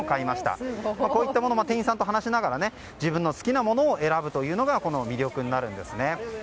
こういったものも店員さんと話しながら自分の好きなものを選ぶのが魅力になるんですね。